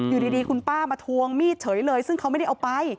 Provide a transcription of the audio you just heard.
อยู่ดีคุณป้ามาทวงมีดเฉยเลยซึ่งเขาไม่ได้เอาไป